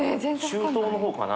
中東のほうかな？